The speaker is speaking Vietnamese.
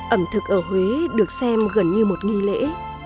ẩm thực ở huế được xem gần như một nghi lễ